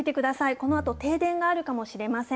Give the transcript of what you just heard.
このあと、停電があるかもしれません。